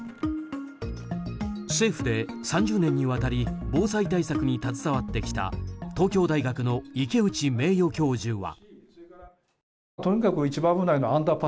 政府で３０年にわたり防災対策に携わってきた東京大学の池内名誉教授は。